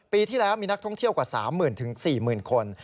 ปีที่แล้วมีนักท่องเที่ยวกว่า๓๐๐๐๔๐๐๐คน